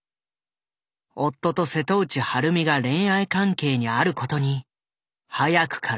夫と瀬戸内晴美が恋愛関係にあることに早くから気付いていた。